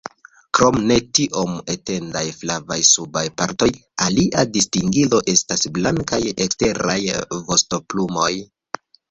Krom ne tiom etendaj flavaj subaj partoj, alia distingilo estas blankaj eksteraj vostoplumoj.